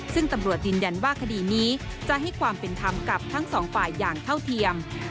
ซึ่งตำรวจยืนยันว่าคดีนี้จะให้ความเป็นธรรมกับทั้งสองฝ่ายอย่างเท่าเทียม